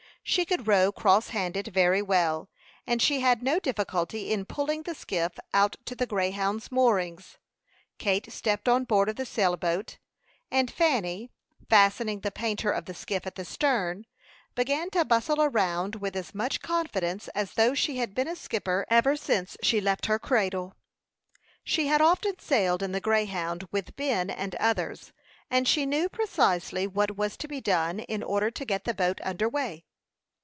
She could row cross handed very well, and she had no difficulty in pulling the skiff out to the Greyhound's moorings. Kate stepped on board of the sail boat, and Fanny, fastening the painter of the skiff at the stern, began to bustle around with as much confidence as though she had been a skipper ever since she left her cradle. She had often sailed in the Greyhound with Ben and others, and she knew precisely what was to be done in order to get the boat under way.